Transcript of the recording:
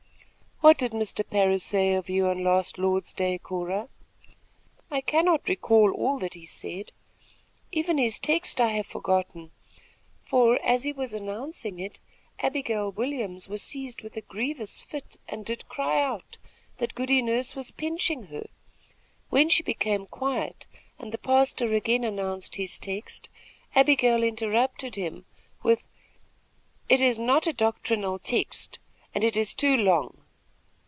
"What did Mr. Parris say of you on last Lord's day, Cora?" "I cannot recall all that he said. Even his text I have forgotten, for, as he was announcing it, Abigail Williams was seized with a grievous fit, and did cry out that Goody Nurse was pinching her. When she became quiet, and the pastor again announced his text, Abigail interrupted him with: 'It is not a doctrinal text, and it is too long.'